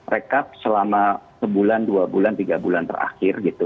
rekap selama sebulan dua bulan tiga bulan terakhir gitu